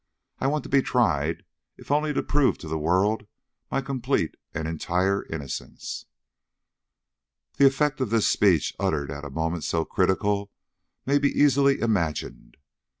I want to be tried, if only to prove to the world my complete and entire innocence." The effect of this speech, uttered at a moment so critical, may be easily imagined.